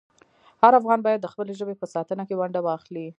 هر افغان باید د خپلې ژبې په ساتنه کې ونډه واخلي.